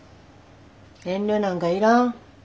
遠慮なんかいらん。